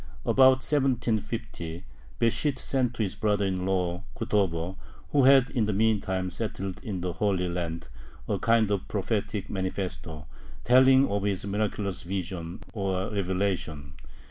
About 1750, Besht sent to his brother in law Kutover, who had in the meantime settled in the Holy Land, a kind of prophetic manifesto, telling of his miraculous vision, or revelation.